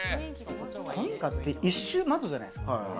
古民家って１周、窓じゃないですか。